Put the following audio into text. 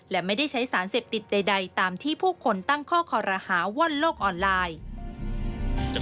และไม่ได้ใช้สารเสพติดใดตามที่ผู้คนตั้งข้อคอรหาว่อนโลกออนไลน์